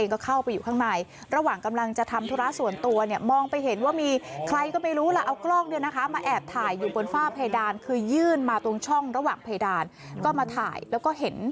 ก็มาถ่ายแล้วก็เห็น